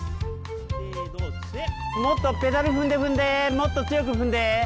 もっとペダル踏んで踏んでもっと強く踏んで。